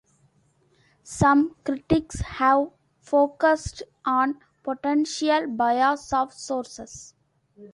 Some critics have focused on potential bias of sources.